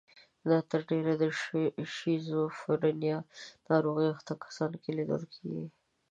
دا تر ډېره د شیزوفرنیا ناروغۍ اخته کسانو کې لیدل کیږي.